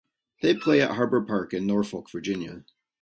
They play at Harbor Park in Norfolk, Virginia.